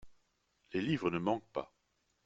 Les livres ne manquent pas.